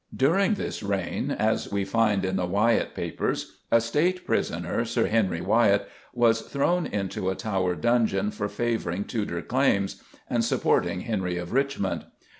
During this reign, as we find in the Wyatt Papers, a State prisoner, Sir Henry Wyatt, was thrown into a Tower dungeon for favouring Tudor claims and supporting Henry of Richmond.